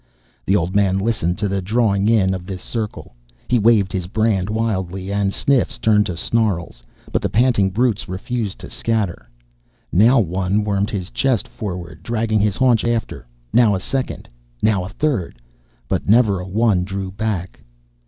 The old man listened to the drawing in of this circle. He waved his brand wildly, and sniffs turned to snarls; but the panting brutes refused to scatter. Now one wormed his chest forward, dragging his haunches after, now a second, now a third; but never a one drew back.